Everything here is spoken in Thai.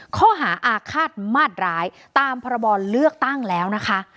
ข้อหาอาฆาตมาดร้ายตามพรบเลือกตั้งแล้วนะคะ